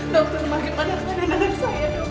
dokter bagaimana keadaan anak saya dok